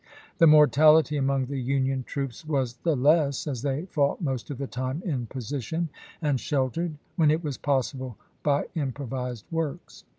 The mortality among the Union troops was the less as they fought most of the time in position, and sheltered, when it was possible, by improvised works.